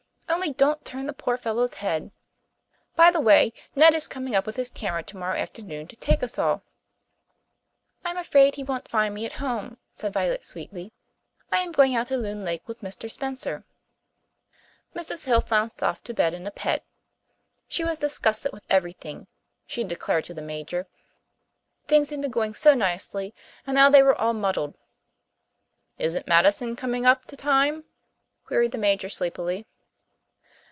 Only don't turn the poor fellow's head. By the way, Ned is coming up with his camera tomorrow afternoon to take us all." "I'm afraid he won't find me at home," said Violet sweetly. "I am going out to Loon Lake with Mr. Spencer." Mrs. Hill flounced off to bed in a pet. She was disgusted with everything, she declared to the Major. Things had been going so nicely, and now they were all muddled. "Isn't Madison coming up to time?" queried the Major sleepily.